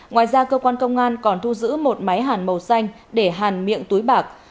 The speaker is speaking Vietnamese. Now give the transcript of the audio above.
ngoài ra cơ quan công an còn thu giữ một máy hàn màu xanh để hàn miệng túi bạc